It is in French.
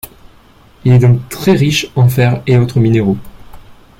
Il est donc très riche en fer et autres minéraux.